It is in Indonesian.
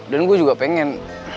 dan gue juga pengen